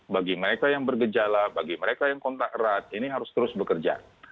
bagi mereka yang bergejala bagi mereka yang kontak erat ini harus terus bekerja